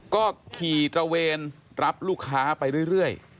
ก็ขี่ตระเวนรับลูกค้าไปเรื่อย